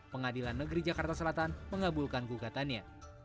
pengadilan negeri jakarta selatan mengabulkan gugatannya